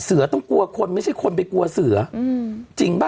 เสือต้องกลัวคนไม่ใช่คนไปกลัวเสือจริงป่ะ